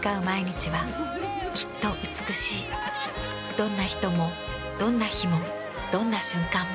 どんな人もどんな日もどんな瞬間も。